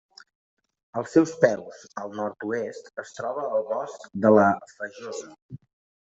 Als seus peus, al nord-oest, es troba el Bosc de la Fajosa.